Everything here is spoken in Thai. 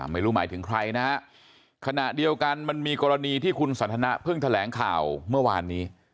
ไม่รู้หมายถึงใครนะฮะขณะเดียวกันมันมีกรณีที่คุณสันทนาเพิ่งแถลงข่าวเมื่อวานนี้